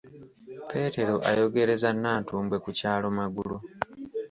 Peetero ayogereza Nnantumbwe ku kyalo Magulu.